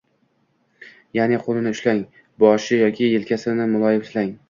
ya’ni qo‘lini ushlang, boshi yoki yelkasini muloyim silang.